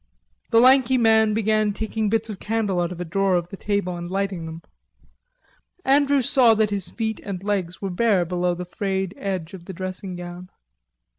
The lanky man began taking bits of candle out of a drawer of the table and lighting them. Andrews saw that his feet and legs were bare below the frayed edge of the dressing gown.